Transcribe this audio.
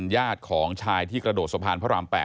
ญาติของชายที่กระโดดสะพานพระราม๘